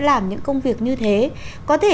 làm những công việc như thế có thể